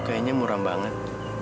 kayaknya muram banget